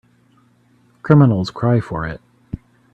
Criminals cry for it.